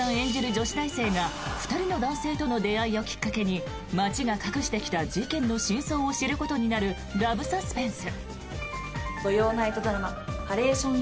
女子大生が２人の男性との出会いをきっかけに街が隠してきた事件の真相を知ることになるラブサスペンス。